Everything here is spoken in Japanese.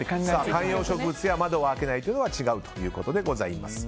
観葉植物や窓を開けないというのは違うということです。